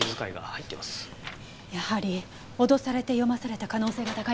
やはり脅されて読まされた可能性が高いわね。